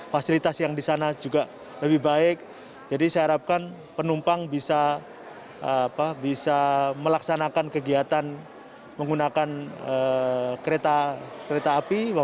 fasilitas yang di sana juga lebih baik jadi saya harapkan penumpang bisa melaksanakan kegiatan menggunakan kereta api